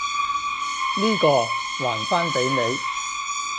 呢個，還返畀你！